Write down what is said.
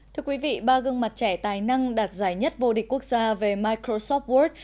thưa quý vị ba gương mặt trẻ tài năng đạt giải nhất vô địch quốc gia về microsoft word